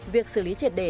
việc xử lý triệt đề